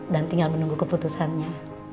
dan tinggal menunggu keputusannya